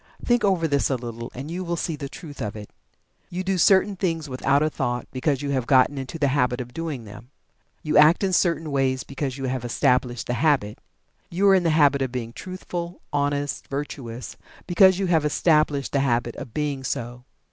Think over this a little and you will see the truth of it. You do certain things without a thought, because you have gotten into the habit of doing them. You act in certain ways because you have established the habit. You are in the habit of being truthful, honest, virtuous, because you have established the habit of being so.